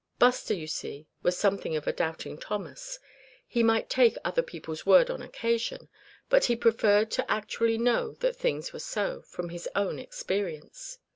Buster, you see, was something of a Doubting Thomas; he might take other people's word on occasion; but he preferred to actually know that things were so, from his own experience.